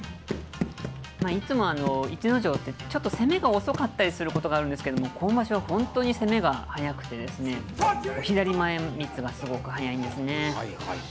いつも逸ノ城って、ちょっと攻めが遅かったりすることがあるんですけれども、今場所は本当に攻めが速くてですね、左前みつがすごく速いんですね。